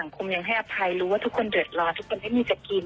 คงยังให้อภัยรู้ว่าทุกคนเดือดร้อนทุกคนไม่มีจะกิน